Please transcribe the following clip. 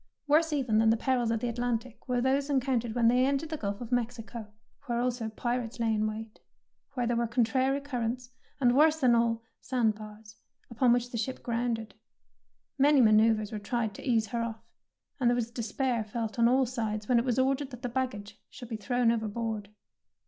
Worse even than the perils of the Atlantic were those en countered when they entered the Gulf of Mexico, where also pirates lay in 153 DEEDS OF DARING wait, where there were contrary cur rents, and worse than all, sandbars, upon which the ship grounded. Many manoeuvres were tried to ease her off, and there was despair felt on all sides when it was ordered that the baggage should be thrown overboard.